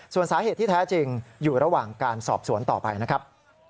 ส่วนสาเหตุที่แท้จริงอยู่ระหว่างการสอบสวนต่อไปนะครับ